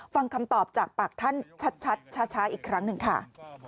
ฟังคำตอบจากปากท่านชัดช้าอีกครั้งหนึ่งค่ะ